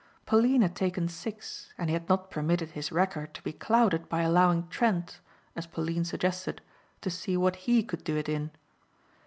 Pauline had taken six and he had not permitted his record to be clouded by allowing Trent (as Pauline suggested) to see what he could do it in.